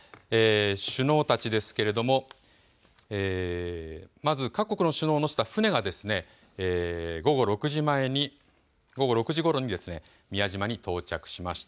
首脳たちですけれどもまず各国の首脳を乗せた船が午後６時ごろに宮島に到着しました。